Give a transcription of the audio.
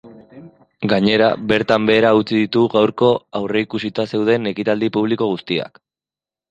Gainera, bertan behera utzi ditu gaurko aurreikusita zeuden ekitaldi publiko guztiak.